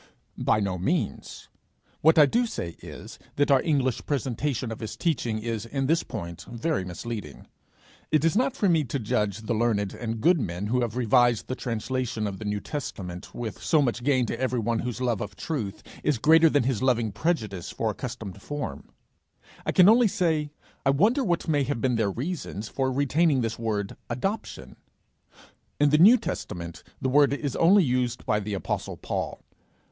'By no means; what I do say is, that our English presentation of his teaching is in this point very misleading. It is not for me to judge the learned and good men who have revised the translation of the New Testament with so much gain to every one whose love of truth is greater than his loving prejudice for accustomed form; I can only say, I wonder what may have been their reasons for retaining this word adoption. In the New Testament the word is used only by the apostle Paul.